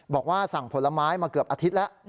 บอกว่าสั่งผลไม้มาเกือบอาทิตย์แล้ว